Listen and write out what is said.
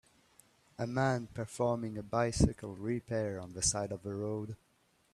A man performing a bicycle repair on the side of the road.